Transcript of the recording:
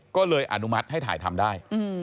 ก็เลยอนุมัติให้ถ่ายทำได้